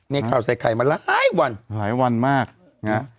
เนี่ยข่าวใส่ใครมาหลายวันหลายวันมากเนี่ย